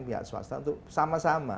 pihak swasta untuk sama sama